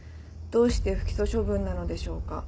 どうして不起訴処分なのでしょうか。